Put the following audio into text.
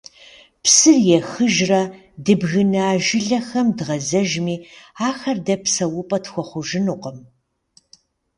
Псыр ехыжрэ, дыбгына жылэхэм дгъэзэжми, ахэр дэ псэупӀэ тхуэхъужынукъым.